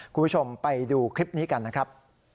คุณผู้ชมไปดูคลิปนี้กันนะครับ